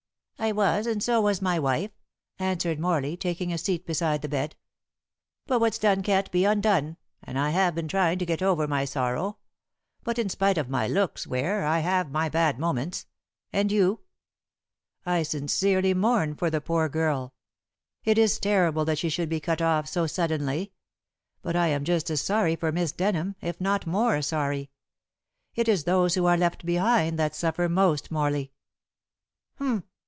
"I was, and so was my wife," answered Morley, taking a seat beside the bed. "But what's done can't be undone, and I have been trying to get over my sorrow. But in spite of my looks, Ware, I have my bad moments. And you?" "I sincerely mourn for the poor girl. It is terrible that she should be cut off so suddenly. But I am just as sorry for Miss Denham, if not more sorry. It is those who are left behind that suffer most, Morley." "Humph!"